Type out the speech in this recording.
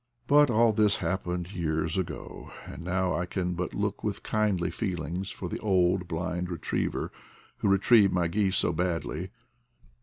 But all this happened years ago, and now I can but look with kindly feelings for the old blind re triever who retrieved my geese so badly.